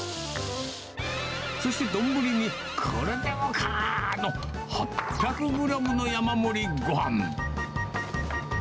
そして丼に、これでもか！の８００グラムの山盛りごはん。